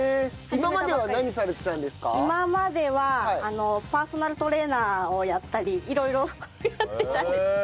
今まではパーソナルトレーナーをやったり色々やってたんですけど。